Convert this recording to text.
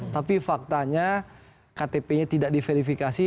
tapi faktanya ktp nya tidak diverifikasi